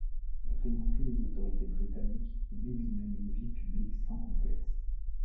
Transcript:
Ne craignant plus les autorités britanniques, Biggs mène une vie publique sans complexe.